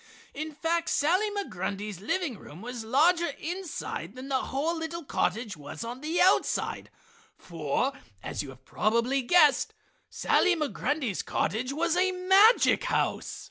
In fact, Sally Migrundy's living room was larger inside than the whole little cottage was on the outside, for, as you have probably guessed, Sally Migrundy's cottage was a magic house.